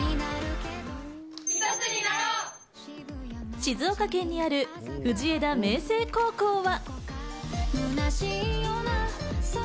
静岡県にある藤枝明誠高校は。